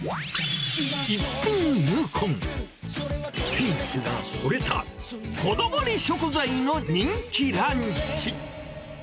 店主がほれた、こだわり食材の人気ランチ。